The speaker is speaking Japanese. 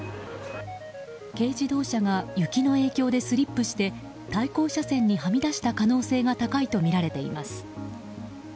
軽自動車が雪の影響でスリップして対向車線にはみ出した可能性が高いとみられています。